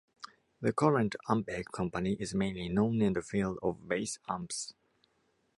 The current Ampeg company is mainly known in the field of bass amps.